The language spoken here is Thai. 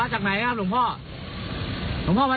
เฮ้ยหลวงพ่อตีรถผมบริษัท